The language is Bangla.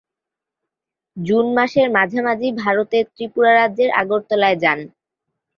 জুন মাসের মাঝামাঝি ভারতের ত্রিপুরা রাজ্যের আগরতলায় যান।